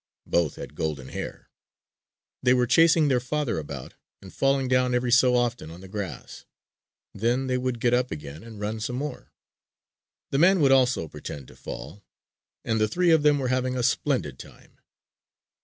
Both had golden hair. They were chasing their father about and falling down every so often on the grass. Then they would get up again and run some more. The man would also pretend to fall and the three of them were having a splendid time.